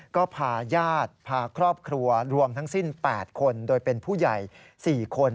ก็พาญาติพาครอบครัวรวมทั้งสิ้น๘คนโดยเป็นผู้ใหญ่๔คน